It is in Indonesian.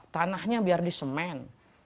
tanahnya biar disemen